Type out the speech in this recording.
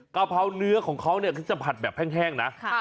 กะเพราเนื้อของเขาเนี่ยเขาจะผัดแบบแห้งนะ